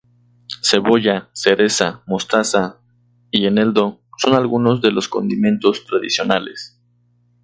Cebolla, cereza, mostaza y eneldo son algunos de los condimentos tradicionales.